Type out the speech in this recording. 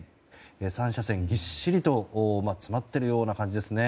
３車線ぎっしりと詰まっている感じですね。